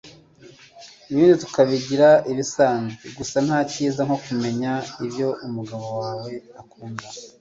ibindi tukabigira ibisanzwe gusa nta kiza nko kumenya ibyo umugabo wawe akunda